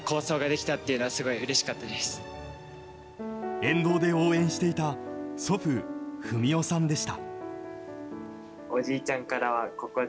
沿道で応援していた祖父・文雄さんでした。